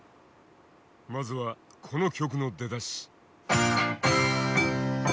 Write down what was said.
まずはこの曲の出だし。